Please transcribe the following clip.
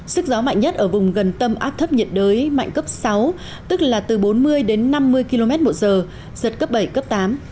sức gió mạnh nhất ở vùng gần tâm áp thấp nhiệt đới mạnh cấp sáu tức là từ bốn mươi đến năm mươi km một giờ giật cấp bảy cấp tám